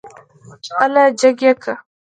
اله جګ يې که.